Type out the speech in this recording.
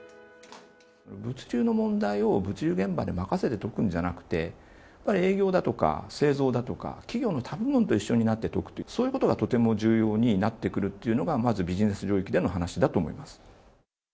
物流の問題を物流現場に任せて解くんじゃなくて、やっぱり営業だとか、製造だとか、企業の他部門と一緒になって解くという、そういうことが非常に重要になってくるということが、まずビジネス領域での話だと思います。